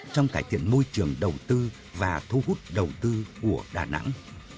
trong cải thiện môi trường đầu tư và thu hút đầu tư của đà nẵng